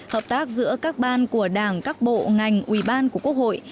hợp tác giữa các ban của đảng các bộ ngành ủy ban của quốc hội